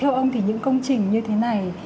theo ông thì những công trình như thế này